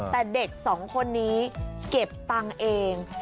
แต่เด็กสองคนนี้เก็บตังค์เอง